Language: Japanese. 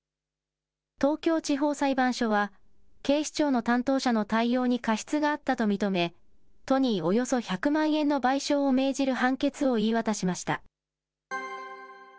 東京地方裁判所は、警視庁の担当者の対応に過失があったと認め、都におよそ１００万円の賠償を命じる判決を言い渡しました。